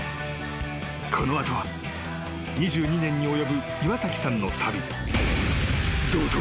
この後は２２年に及ぶ岩崎さんの旅］